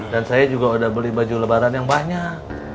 dan saya juga udah beli baju lebaran yang banyak